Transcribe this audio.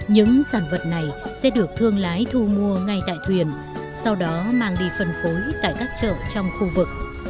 những sản vật này sẽ được thương lái thu mua ngay tại thuyền sau đó mang đi phân phối tại các chợ trong khu vực